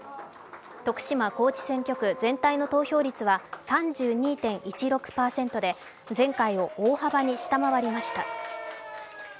徳島・高知選挙区全体の投票率は３２．１６％で前回を大幅に下回りました。